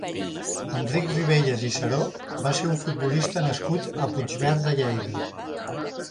Enric Ribelles i Seró va ser un futbolista nascut a Puigverd de Lleida.